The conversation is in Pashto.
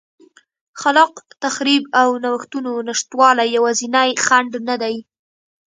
خلاق تخریب او نوښتونو نشتوالی یوازینی خنډ نه دی.